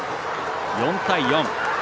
４対４。